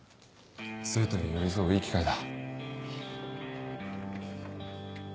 生徒に寄り添ういい機会だ。